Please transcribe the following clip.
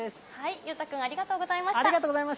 裕太君、ありがとうございま